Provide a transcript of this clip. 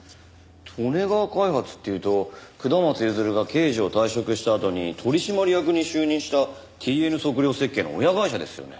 利根川開発っていうと下松譲が刑事を退職したあとに取締役に就任したＴＮ測量設計の親会社ですよね。